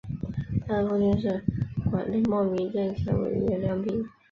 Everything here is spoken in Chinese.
她的父亲是广东茂名政协委员梁平。